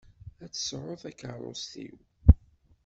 Ad tt-tesɛuḍ takeṛṛust-iw.